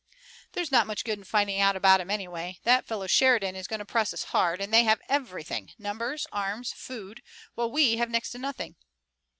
"There's not much good in finding out about 'em anyway. That fellow Sheridan is going to press us hard, and they have everything, numbers, arms, food, while we have next to nothing."